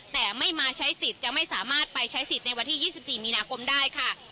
แต่ไม่มาใช้สิทธิ์จะไม่สามารถไปใช้สิทธิ์ในวันที่๒๔มีนาคมได้ค่ะ